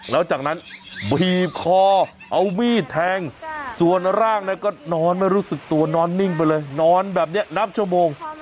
แล้วจากนั้นบีบคอเอามีดแทงส่วนร่างก็นอนไม่รู้สึกตัวนอนนิ่งไปเลยนอนแบบนี้นับชั่วโมง